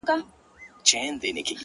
نسه نه وو نېمچه وو ستا د درد په درد؛